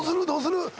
どうする？